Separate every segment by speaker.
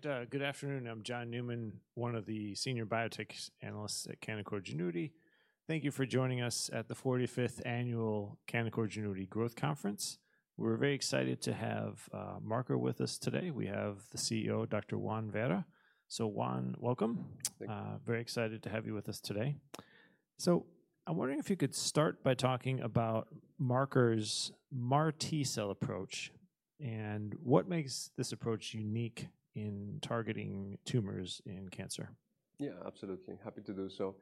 Speaker 1: Good afternoon. I'm John Newman, one of the Senior Biotech Analysts at Canaccord Genuity. Thank you for joining us at the 45th Annual Canaccord Genuity Growth Conference. We're very excited to have Marker with us today. We have the CEO, Dr. Juan Vera. Juan, welcome.
Speaker 2: Thank you.
Speaker 1: Very excited to have you with us today. I'm wondering if you could start by talking about Marker's MAR-T cell approach and what makes this approach unique in targeting tumors in cancer.
Speaker 2: Yeah, absolutely. Happy to do so.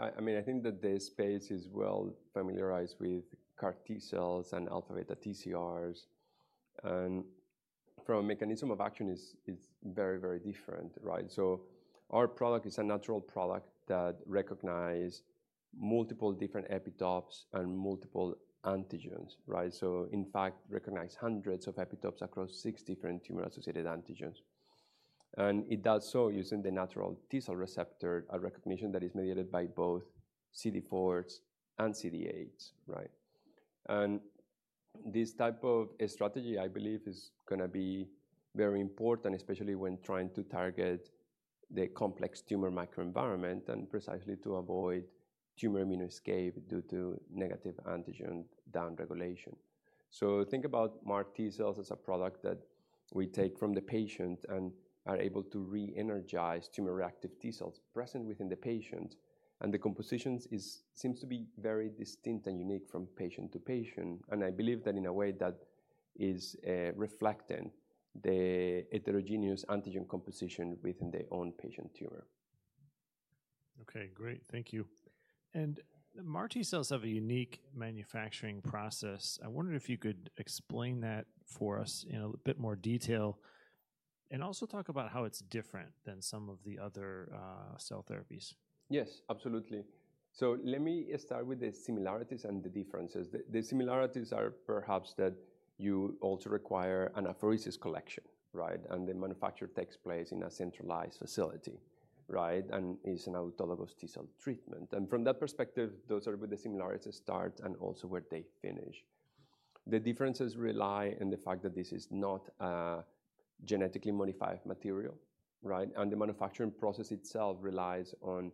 Speaker 2: I think that this space is well familiarized with CAR T-cells and alpha-beta TCRs, and from a mechanism of action, it's very, very different, right? Our product is a natural product that recognizes multiple different epitopes and multiple antigens, right? In fact, it recognizes hundreds of epitopes across six different tumor-associated antigens. It does so using the natural T-cell receptor recognition that is mediated by both CD4s and CD8s, right? This type of strategy, I believe, is going to be very important, especially when trying to target the complex tumor microenvironment and precisely to avoid tumor immune escape due to negative antigen downregulation. Think about MAR-T cells as a product that we take from the patient and are able to re-energize tumor-reactive T-cells present within the patient. The composition seems to be very distinct and unique from patient to patient. I believe that in a way that is reflecting the heterogeneous antigen composition within the own patient tumor.
Speaker 1: Okay, great. Thank you. MAR-T cells have a unique manufacturing process. I wonder if you could explain that for us in a bit more detail and also talk about how it's different than some of the other cell therapies.
Speaker 2: Yes, absolutely. Let me start with the similarities and the differences. The similarities are perhaps that you also require an apheresis collection, right? The manufacture takes place in a centralized facility, right? It's an autologous T-cell treatment. From that perspective, those are where the similarities start and also where they finish. The differences rely on the fact that this is not a genetically modified material, right? The manufacturing process itself relies on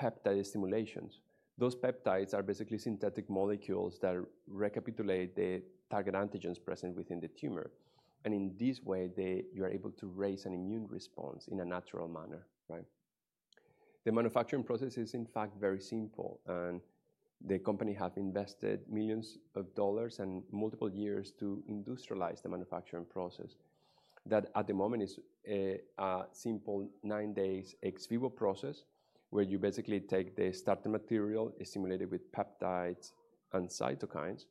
Speaker 2: peptide stimulations. Those peptides are basically synthetic molecules that recapitulate the target antigens present within the tumor. In this way, you are able to raise an immune response in a natural manner, right? The manufacturing process is, in fact, very simple. The company has invested millions of dollars and multiple years to industrialize the manufacturing process. At the moment, it is a simple nine-day ex vivo process where you basically take the starting material, stimulate it with peptides and cytokines.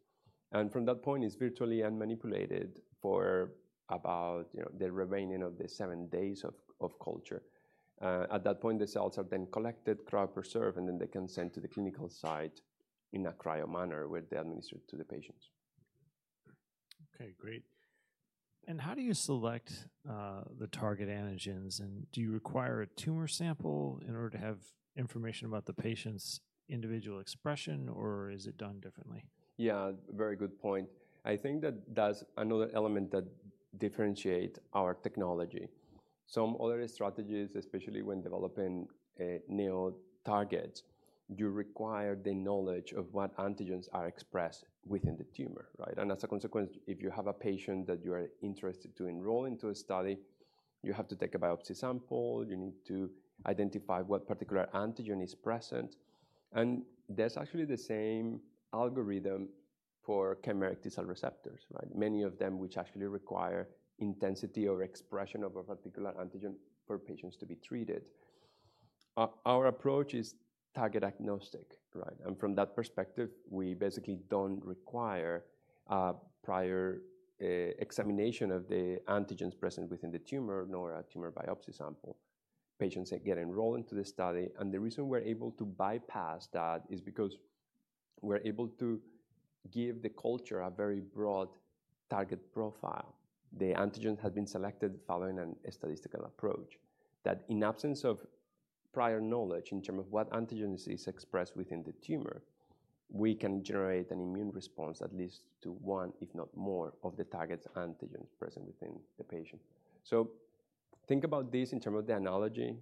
Speaker 2: From that point, it's virtually unmanipulated for about the remaining seven days of culture. At that point, the cells are then collected, cryopreserved, and then they can be sent to the clinical site in a cryo manner where they're administered to the patients.
Speaker 1: Okay, great. How do you select the target antigens? Do you require a tumor sample in order to have information about the patient's individual expression, or is it done differently?
Speaker 2: Yeah, very good point. I think that that's another element that differentiates our technology. Some other strategies, especially when developing a neo target, you require the knowledge of what antigens are expressed within the tumor, right? As a consequence, if you have a patient that you are interested to enroll into a study, you have to take a biopsy sample. You need to identify what particular antigen is present. That's actually the same algorithm for chimeric T-cell receptors, right? Many of them, which actually require intensity or expression of a particular antigen for patients to be treated. Our approach is target agnostic, right? From that perspective, we basically don't require a prior examination of the antigens present within the tumor, nor a tumor biopsy sample. Patients get enrolled into the study. The reason we're able to bypass that is because we're able to give the culture a very broad target profile. The antigens have been selected following a statistical approach that, in absence of prior knowledge in terms of what antigens are expressed within the tumor, we can generate an immune response at least to one, if not more, of the target antigens present within the patient. Think about this in terms of the analogy: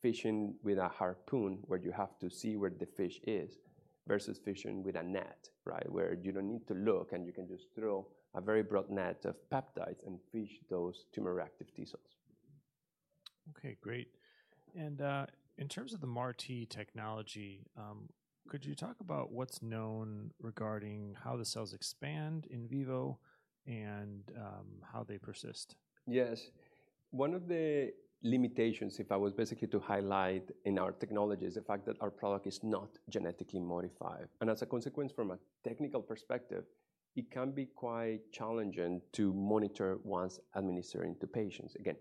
Speaker 2: fishing with a harpoon, where you have to see where the fish is, versus fishing with a net, right? Where you don't need to look, and you can just throw a very broad net of peptides and fish those tumor-reactive T-cells.
Speaker 1: Okay, great. In terms of the MAR-T technology, could you talk about what's known regarding how the cells expand in vivo and how they persist?
Speaker 2: Yes. One of the limitations, if I was basically to highlight in our technology, is the fact that our product is not genetically modified. As a consequence, from a technical perspective, it can be quite challenging to monitor once administered into patients. It is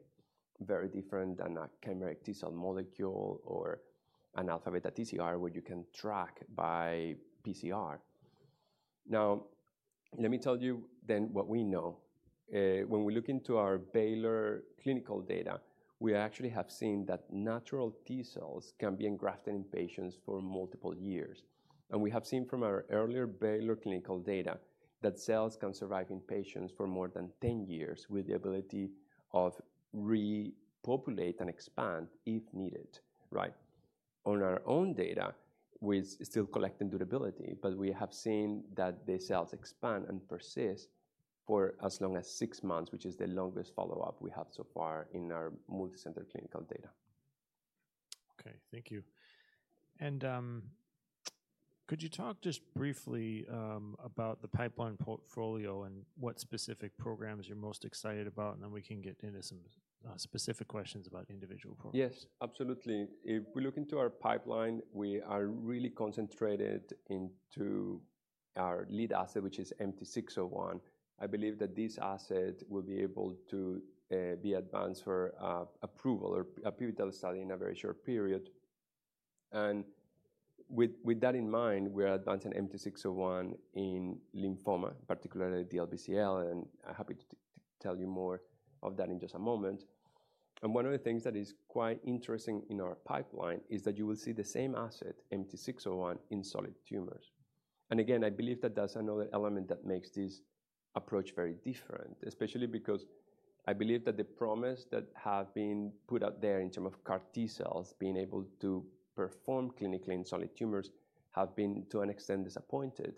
Speaker 2: very different than a chimeric T-cell molecule or an alpha-beta TCR, where you can track by PCR. Now, let me tell you what we know. When we look into our Baylor clinical data, we actually have seen that natural T-cells can be engrafted in patients for multiple years. We have seen from our earlier Baylor clinical data that cells can survive in patients for more than 10 years with the ability of repopulating and expand if needed, right? On our own data, we're still collecting durability, but we have seen that the cells expand and persist for as long as six months, which is the longest follow-up we have so far in our multicenter clinical data.
Speaker 1: Thank you. Could you talk just briefly about the pipeline portfolio and what specific programs you're most excited about? We can get into some specific questions about individual programs.
Speaker 2: Yes, absolutely. If we look into our pipeline, we are really concentrated into our lead asset, which is MT-601. I believe that this asset will be able to be advanced for approval or a pivotal study in a very short period. With that in mind, we are advancing MT-601 in lymphoma, particularly the LBCL. I'm happy to tell you more of that in just a moment. One of the things that is quite interesting in our pipeline is that you will see the same asset, MT-601, in solid tumors. I believe that that's another element that makes this approach very different, especially because I believe that the promise that has been put out there in terms of CAR T-cells being able to perform clinically in solid tumors has been, to an extent, disappointed.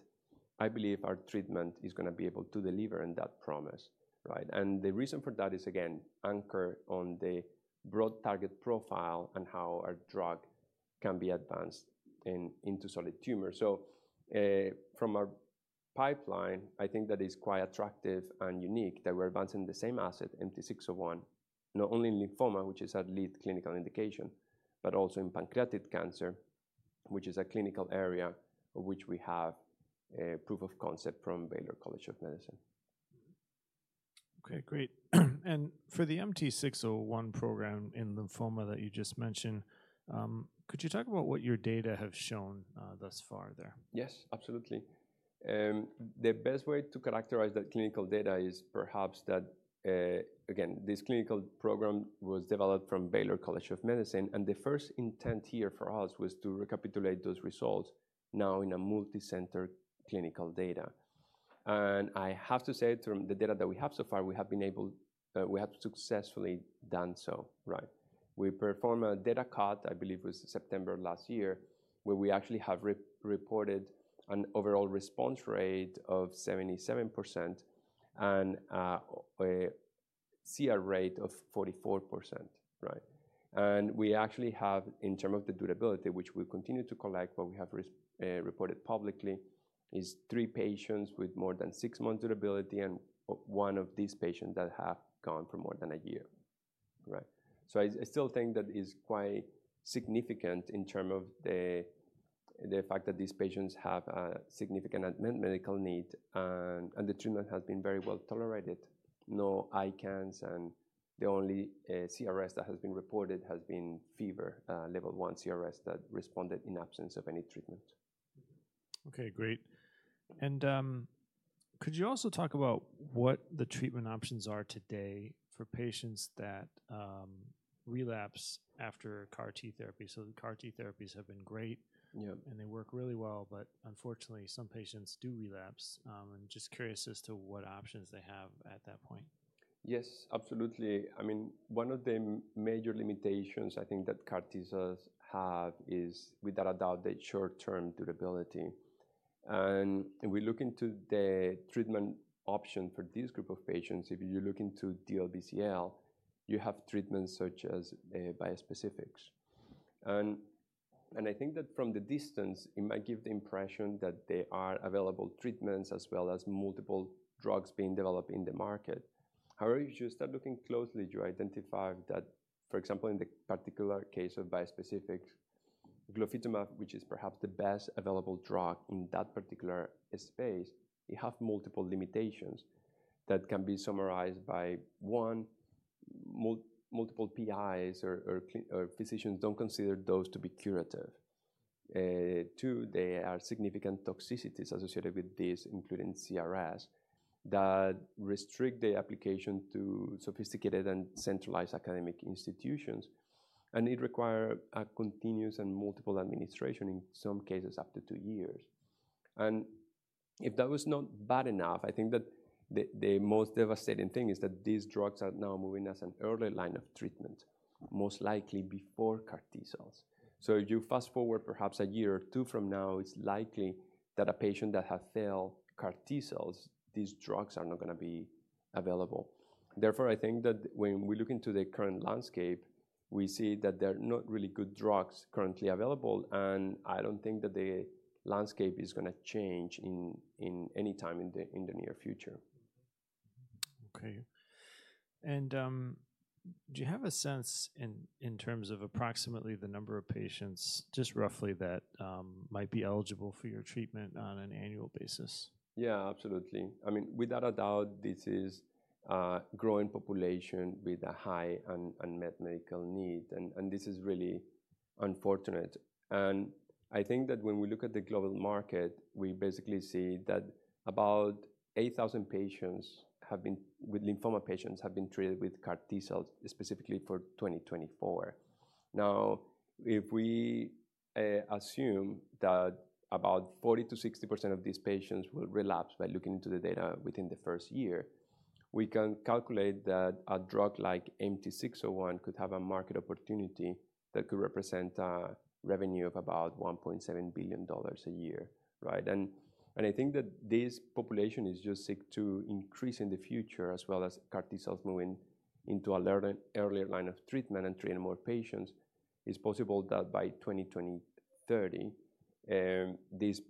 Speaker 2: I believe our treatment is going to be able to deliver on that promise, right? The reason for that is, again, anchored on the broad target profile and how our drug can be advanced into solid tumors. From our pipeline, I think that it's quite attractive and unique that we're advancing the same asset, MT-601, not only in lymphoma, which is our lead clinical indication, but also in pancreatic cancer, which is a clinical area of which we have proof of concept from Baylor College of Medicine.
Speaker 1: Okay, great. For the MT-601 program in lymphoma that you just mentioned, could you talk about what your data have shown thus far there?
Speaker 2: Yes, absolutely. The best way to characterize that clinical data is perhaps that, again, this clinical program was developed from Baylor College of Medicine. The first intent here for us was to recapitulate those results now in a multicenter clinical data. I have to say, from the data that we have so far, we have been able, we have successfully done so, right? We performed a data cut, I believe it was September last year, where we actually have reported an overall response rate of 77% and a CR rate of 44%, right? We actually have, in terms of the durability, which we continue to collect, but we have reported publicly, three patients with more than six months durability and one of these patients that have gone for more than a year, right? I still think that it's quite significant in terms of the fact that these patients have a significant medical need and the treatment has been very well tolerated. No ICANS, and the only CRS that has been reported has been fever, level one CRS that responded in absence of any treatment.
Speaker 1: Okay, great. Could you also talk about what the treatment options are today for patients that relapse after CAR T therapy? The CAR T therapies have been great and they work really well, but unfortunately, some patients do relapse. I'm just curious as to what options they have at that point.
Speaker 2: Yes, absolutely. I mean, one of the major limitations I think that CAR T-cells have is, without a doubt, the short-term durability. We look into the treatment option for this group of patients. If you're looking to the LBCL, you have treatments such as bispecifics. I think that from the distance, it might give the impression that there are available treatments as well as multiple drugs being developed in the market. However, if you start looking closely, you identify that, for example, in the particular case of bispecifics, glofitamab, which is perhaps the best available drug in that particular space, you have multiple limitations that can be summarized by, one, multiple PIs or physicians don't consider those to be curative. Two, there are significant toxicities associated with this, including CRS, that restrict the application to sophisticated and centralized academic institutions. It requires continuous and multiple administrations, in some cases up to two years. If that was not bad enough, I think that the most devastating thing is that these drugs are now moving as an early line of treatment, most likely before CAR T-cells. If you fast forward perhaps a year or two from now, it's likely that a patient that has failed CAR T-cells, these drugs are not going to be available. Therefore, I think that when we look into the current landscape, we see that there are not really good drugs currently available. I don't think that the landscape is going to change any time in the near future.
Speaker 1: Okay. Do you have a sense in terms of approximately the number of patients, just roughly, that might be eligible for your treatment on an annual basis?
Speaker 2: Yeah, absolutely. I mean, without a doubt, this is a growing population with a high unmet medical need. This is really unfortunate. I think that when we look at the global market, we basically see that about 8,000 patients, with lymphoma patients, have been treated with CAR T-cells specifically for 2024. If we assume that about 40%-60% of these patients will relapse by looking into the data within the first year, we can calculate that a drug like MT-601 could have a market opportunity that could represent a revenue of about $1.7 billion a year, right? I think that this population is just set to increase in the future, as well as CAR T-cells moving into an earlier line of treatment and treating more patients. It's possible that by 2030, this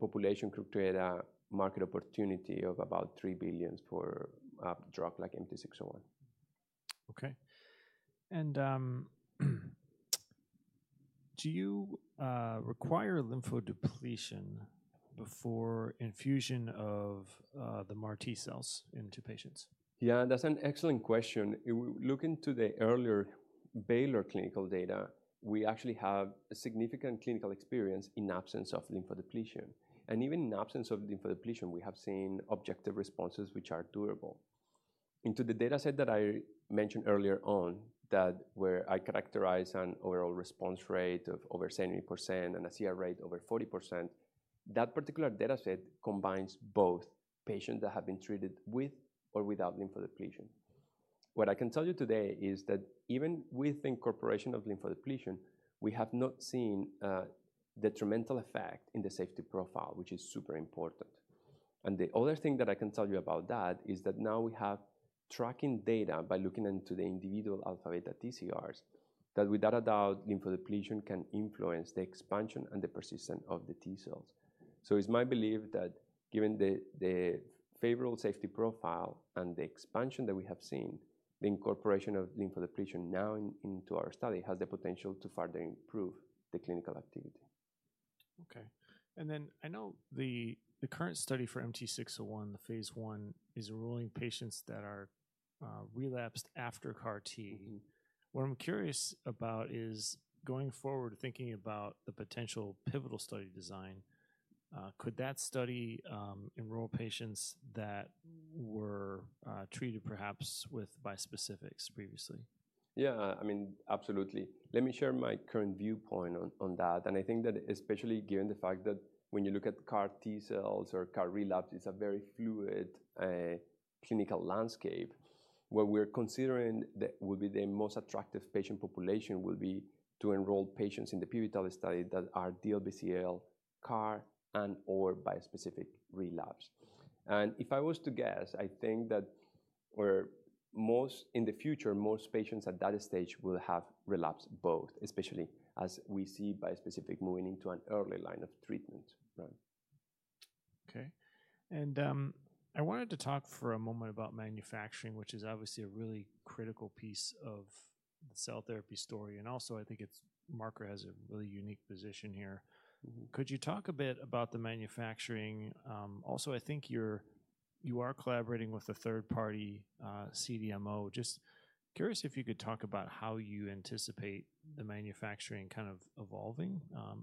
Speaker 2: population could create a market opportunity of about $3 billion for a drug like MT-601.
Speaker 1: Okay. Do you require lymphodepletion before infusion of the MAR-T cells into patients?
Speaker 2: Yeah, that's an excellent question. Looking to the earlier Baylor clinical data, we actually have significant clinical experience in absence of lymphodepletion. Even in absence of lymphodepletion, we have seen objective responses which are durable. In the data set that I mentioned earlier on, where I characterize an overall response rate of over 70% and a CR rate over 40%, that particular data set combines both patients that have been treated with or without lymphodepletion. What I can tell you today is that even with the incorporation of lymphodepletion, we have not seen a detrimental effect in the safety profile, which is super important. The other thing that I can tell you about that is that now we have tracking data by looking into the individual alpha-beta TCRs that, without a doubt, lymphodepletion can influence the expansion and the persistence of the T-cells. It's my belief that given the favorable safety profile and the expansion that we have seen, the incorporation of lymphodepletion now into our study has the potential to further improve the clinical activity.
Speaker 1: Okay. I know the current study for MT-601, the phase one, is enrolling patients that are relapsed after CAR T. What I'm curious about is going forward, thinking about the potential pivotal study design, could that study enroll patients that were treated perhaps with bispecifics previously?
Speaker 2: Yeah, I mean, absolutely. Let me share my current viewpoint on that. I think that especially given the fact that when you look at CAR T-cells or CAR relapse, it's a very fluid clinical landscape. What we're considering that would be the most attractive patient population would be to enroll patients in the pivotal study that are DLBCL, CAR, and/or bispecific relapse. If I was to guess, I think that in the future, most patients at that stage will have relapsed both, especially as we see bispecifics moving into an early line of treatment.
Speaker 1: Okay. I wanted to talk for a moment about manufacturing, which is obviously a really critical piece of the cell therapy story. I think Marker has a really unique position here. Could you talk a bit about the manufacturing? I think you are collaborating with a third-party CDMO. Just curious if you could talk about how you anticipate the manufacturing kind of evolving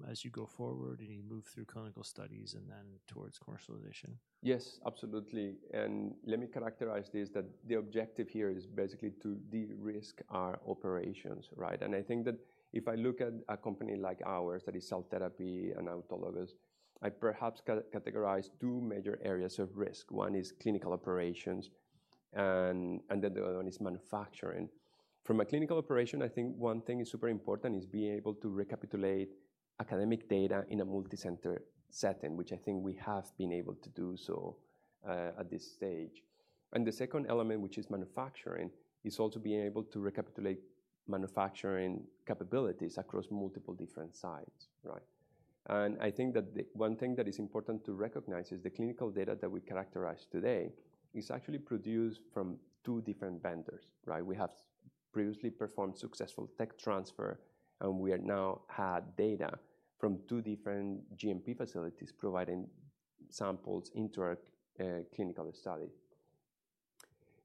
Speaker 1: as you go forward and you move through clinical studies and then towards commercialization.
Speaker 2: Yes, absolutely. Let me characterize this, that the objective here is basically to de-risk our operations, right? I think that if I look at a company like ours that is cell therapy and autologous, I perhaps categorize two major areas of risk. One is clinical operations, and then the other one is manufacturing. From a clinical operation, I think one thing is super important is being able to recapitulate academic data in a multicenter setting, which I think we have been able to do so at this stage. The second element, which is manufacturing, is also being able to recapitulate manufacturing capabilities across multiple different sites, right? I think that one thing that is important to recognize is the clinical data that we characterize today is actually produced from two different vendors, right? We have previously performed successful tech transfer, and we now have data from two different GMP facilities providing samples into our clinical study.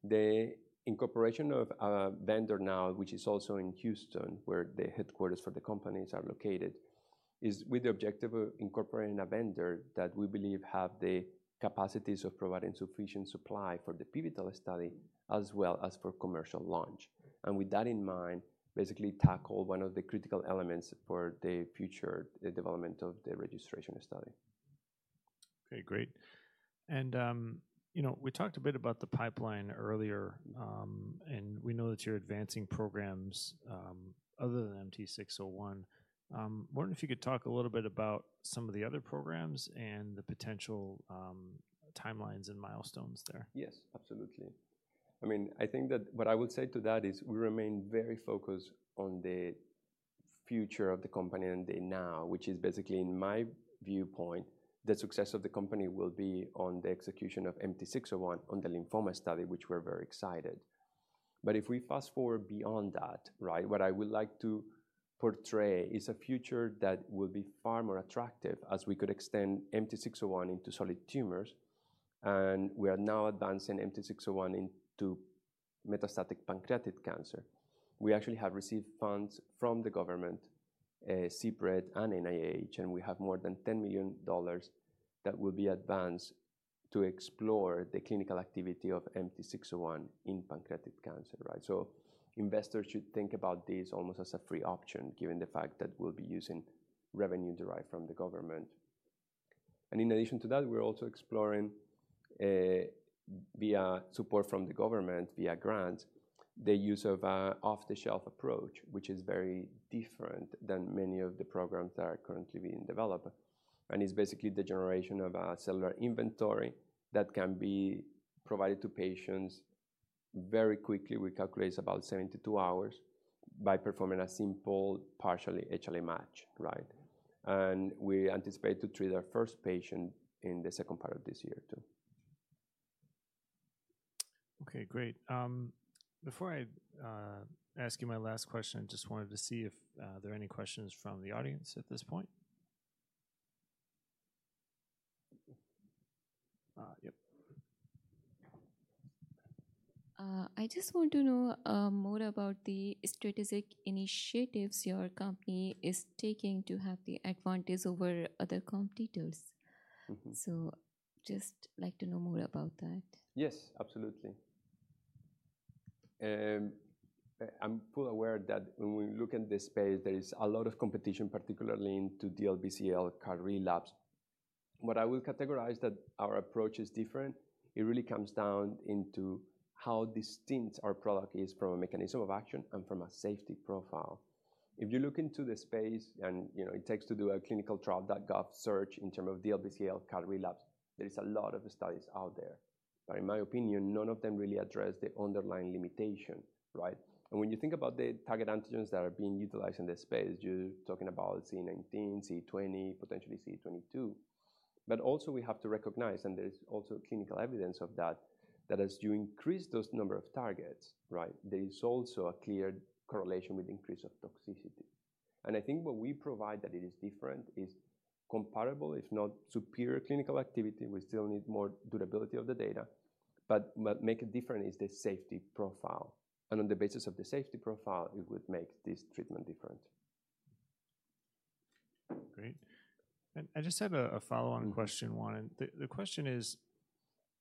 Speaker 2: The incorporation of a vendor now, which is also in Houston, where the headquarters for the companies are located, is with the objective of incorporating a vendor that we believe has the capacities of providing sufficient supply for the pivotal study as well as for commercial launch. With that in mind, basically tackle one of the critical elements for the future development of the registration study.
Speaker 1: Okay, great. We talked a bit about the pipeline earlier, and we know that you're advancing programs other than MT-601. I'm wondering if you could talk a little bit about some of the other programs and the potential timelines and milestones there.
Speaker 2: Yes, absolutely. I mean, I think that what I would say to that is we remain very focused on the future of the company and the now, which is basically, in my viewpoint, the success of the company will be on the execution of MT-601 on the lymphoma study, which we're very excited. If we fast forward beyond that, what I would like to portray is a future that will be far more attractive as we could extend MT-601 into solid tumors. We are now advancing MT-601 into metastatic pancreatic cancer. We actually have received funds from the government, CPRIT, and NIH, and we have more than $10 million that will be advanced to explore the clinical activity of MT-601 in pancreatic cancer, right? Investors should think about this almost as a free option, given the fact that we'll be using revenue derived from the government. In addition to that, we're also exploring, via support from the government, via grants, the use of an off-the-shelf approach, which is very different than many of the programs that are currently being developed. It's basically the generation of a cellular inventory that can be provided to patients very quickly. We calculate about 72 hours by performing a simple, partially HLA match, right? We anticipate to treat our first patient in the second part of this year too.
Speaker 1: Okay, great. Before I ask you my last question, I just wanted to see if there are any questions from the audience at this point.
Speaker 3: I just want to know more about the strategic initiatives your company is taking to have the advantage over other competitors. I'd just like to know more about that.
Speaker 2: Yes, absolutely. I'm fully aware that when we look at this space, there is a lot of competition, particularly into DLBCL CAR relapse. What I would categorize is that our approach is different. It really comes down to how distinct our product is from a mechanism of action and from a safety profile. If you look into the space and it takes doing a clinicaltrials.gov search in terms of DLBCL CAR relapse, there are a lot of studies out there. In my opinion, none of them really address the underlying limitation, right? When you think about the target antigens that are being utilized in this space, you're talking about CD19, CD20, potentially CD22. We have to recognize, and there's also clinical evidence of that, that as you increase those number of targets, there is also a clear correlation with the increase of toxicity. I think what we provide that is different is comparable, if not superior, clinical activity. We still need more durability of the data. What makes it different is the safety profile. On the basis of the safety profile, it would make this treatment different.
Speaker 1: Great. I just have a follow-on question, Juan. The question is,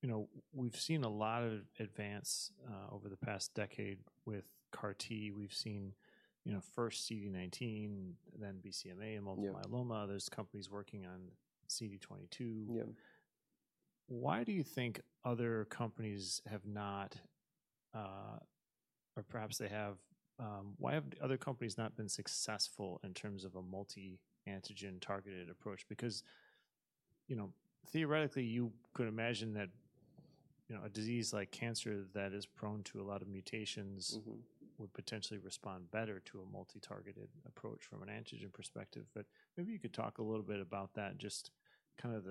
Speaker 1: you know, we've seen a lot of advance over the past decade with CAR T. We've seen, you know, first CD19, then BCMA in multiple myeloma. There's companies working on CD22. Why do you think other companies have not, or perhaps they have, why have other companies not been successful in terms of a multi-antigen targeted approach? You know, theoretically, you could imagine that a disease like cancer that is prone to a lot of mutations would potentially respond better to a multi-targeted approach from an antigen perspective. Maybe you could talk a little bit about that and just kind of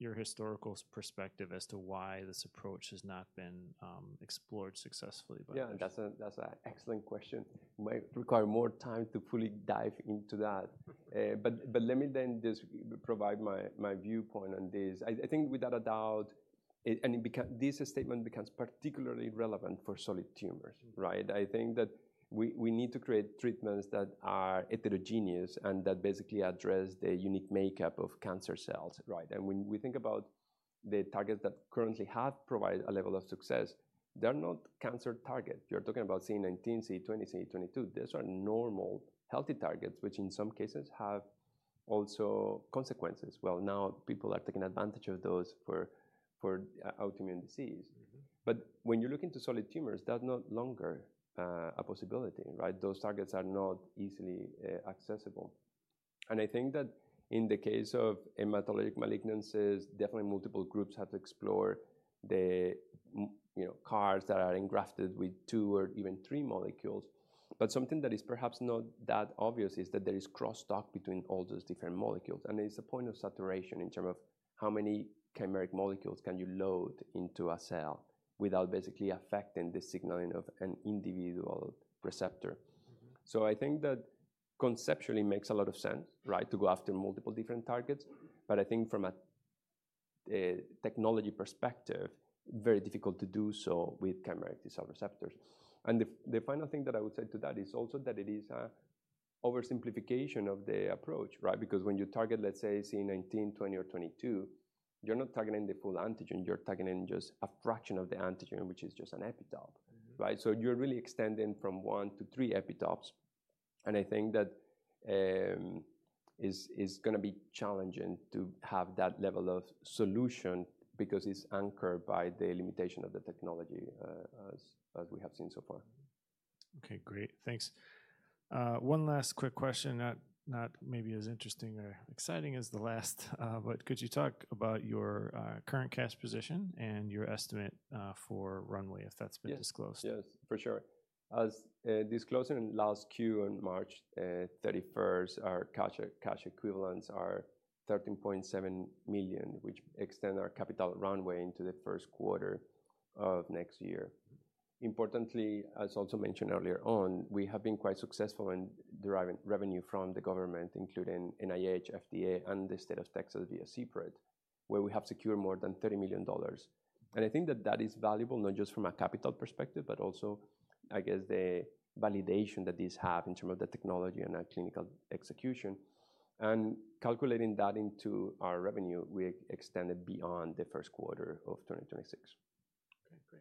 Speaker 1: your historical perspective as to why this approach has not been explored successfully.
Speaker 2: Yeah, that's an excellent question. It might require more time to fully dive into that. Let me then just provide my viewpoint on this. I think, without a doubt, this statement becomes particularly relevant for solid tumors, right? I think that we need to create treatments that are heterogeneous and that basically address the unique makeup of cancer cells, right? When we think about the targets that currently have provided a level of success, they're not cancer targets. You're talking about C19, C20, C22. These are normal, healthy targets, which in some cases have also consequences. Now people are taking advantage of those for autoimmune disease. When you look into solid tumors, that's no longer a possibility, right? Those targets are not easily accessible. I think that in the case of hematologic malignancies, definitely multiple groups have to explore the CARs that are engrafted with two or even three molecules. Something that is perhaps not that obvious is that there is crosstalk between all those different molecules. It's a point of saturation in terms of how many chimeric molecules you can load into a cell without basically affecting the signaling of an individual receptor. I think that conceptually makes a lot of sense, right, to go after multiple different targets. I think from a technology perspective, it's very difficult to do so with chimeric T-cell receptors. The final thing that I would say to that is also that it is an oversimplification of the approach, right? Because when you target, let's say, C19, C20, or C22, you're not targeting the full antigen. You're targeting just a fraction of the antigen, which is just an epitope, right? You're really extending from one to three epitopes. I think that it's going to be challenging to have that level of solution because it's anchored by the limitation of the technology, as we have seen so far.
Speaker 1: Okay, great. Thanks. One last quick question, not maybe as interesting or exciting as the last, but could you talk about your current cash position and your estimate for runway, if that's been disclosed?
Speaker 2: Yes, yes, for sure. As disclosed in last Q on March 31st, our cash equivalents are $13.7 million, which extends our capital runway into the first quarter of next year. Importantly, as also mentioned earlier on, we have been quite successful in deriving revenue from the government, including NIH, FDA, and the state of Texas via CPRIT, where we have secured more than $30 million. I think that that is valuable not just from a capital perspective, but also, I guess, the validation that these have in terms of the technology and clinical execution. Calculating that into our revenue, we extend it beyond the first quarter of 2026.
Speaker 1: Okay,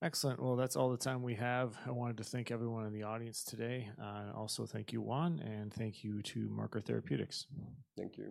Speaker 1: great. Excellent. That's all the time we have. I wanted to thank everyone in the audience today. Also, thank you, Juan, and thank you to Marker Therapeutics.
Speaker 2: Thank you.